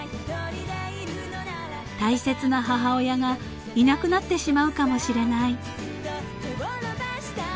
［大切な母親がいなくなってしまうかもしれない］